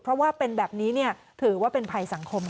เพราะว่าเป็นแบบนี้ถือว่าเป็นภัยสังคมค่ะ